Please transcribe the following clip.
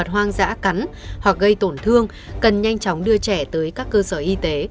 hoang dã cắn hoặc gây tổn thương cần nhanh chóng đưa trẻ tới các cơ sở y tế